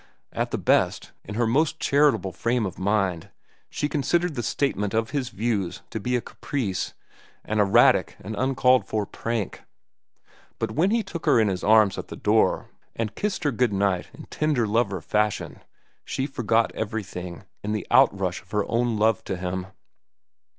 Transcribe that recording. At the best, in her most charitable frame of mind, she considered the statement of his views to be a caprice, an erratic and uncalled for prank. But when he took her in his arms at the door and kissed her good night in tender lover fashion, she forgot everything in the outrush of her own love to him.